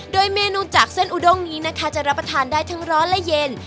โดยเมนูจากเส้นอุดงนี้นะคะจะรับประทานได้ทั้งร้อนและเย็น